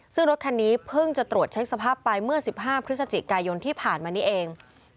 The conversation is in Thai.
ซึ่งรถคันนี้เพิ่งจะตรวจเช็คสภาพไปเมื่อ๑๕พฤศจิกายนที่ผ่านมานี้เอง